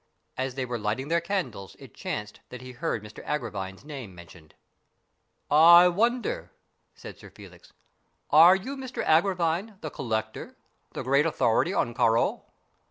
As they were lighting their candles it chanced that he heard Mr Agravine's name mentioned. " I wonder," said Sir Felix, " are you Mr Agra vine, the collector, the great authority on Corot